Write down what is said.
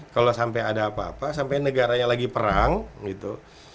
kalau sampai ada apa apa sampai negaranya lagi perang gitu